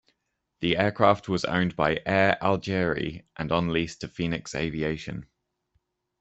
The aircraft was owned by Air Algerie and on lease to Phoenix Aviation.